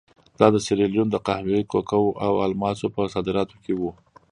دا د سیریلیون د قهوې، کوکو او الماسو په صادراتو کې وو.